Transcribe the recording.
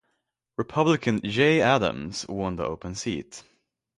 Republican Jay Adams won the open seat.